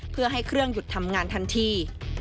เพื่อให้เครื่องหยุดทำงานทันที